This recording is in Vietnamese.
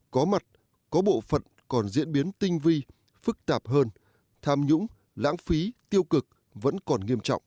có mặt có bộ phận còn diễn biến tinh vi phức tạp hơn tham nhũng lãng phí tiêu cực vẫn còn nghiêm trọng